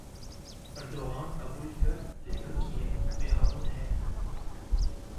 Erdogan qebul kir ku li Tirkiyeyê bihabûn heye.